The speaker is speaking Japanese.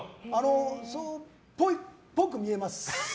そうっぽく見えます。